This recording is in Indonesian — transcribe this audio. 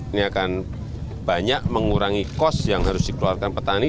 ini akan banyak mengurangi kos yang harus dikeluarkan petani